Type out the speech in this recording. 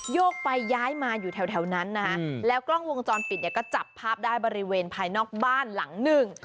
โยกไปย้ายมาอยู่แถวนั้นนะคะแล้วกล้องวงจรปิดเนี่ยก็จับภาพได้บริเวณภายนอกบ้านหลังหนึ่ง